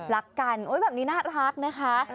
รักกันแบบนี้น่ารักนะคะ